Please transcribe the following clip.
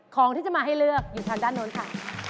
ของที่จะมาให้เลือกอยู่ทางด้านโน้นค่ะ